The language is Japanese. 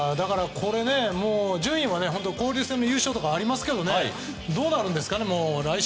順位は交流戦の優勝とかありますけどどうなるんですかね。